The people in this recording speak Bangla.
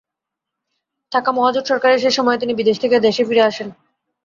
থাকা মহাজোট সরকারের শেষ সময়ে তিনি বিদেশ থেকে দেশে ফিরে আসেন।